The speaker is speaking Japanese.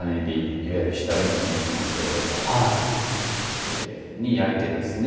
いわゆる下火と申しますけれどもきれいに焼いてですね